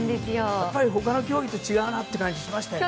他の競技と違うなという感じがしましたね。